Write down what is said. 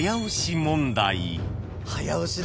早押しだ。